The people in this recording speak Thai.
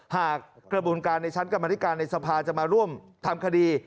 กระบวนการในชั้นกรรมธิการในสภาจะมาร่วมทำคดี